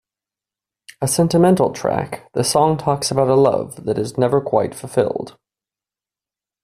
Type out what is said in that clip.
A sentimental track, the song talks about a love that is never quite fulfilled.